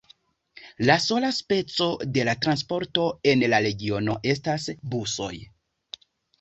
La sola speco de transporto en la regiono estas busoj.